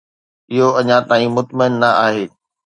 اهو اڃا تائين مطمئن نه آهي.